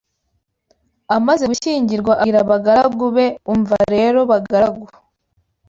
Amaze gushyingirwa abwira abagaragu be Umva rero bagaragu